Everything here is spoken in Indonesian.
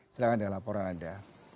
silahkan dengan laporan anda